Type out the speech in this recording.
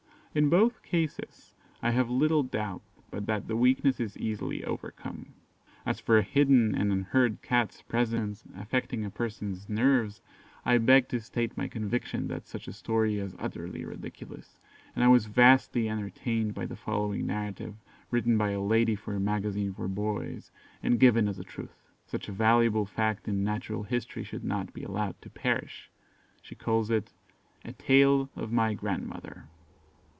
In both cases I have little doubt but that the weakness is easily overcome. As for a hidden and unheard Cat's presence affecting a person's nerves, I beg to state my conviction that such a story is utterly ridiculous; and I was vastly entertained by the following narrative, written by a lady for a Magazine for Boys, and given as a truth. Such a valuable fact in natural history should not be allowed to perish; she calls it, A TALE OF MY GRANDMOTHER.